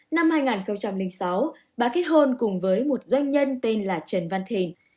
năm hai nghìn sáu bà kết hôn cùng với một doanh nhân tên là trần văn thình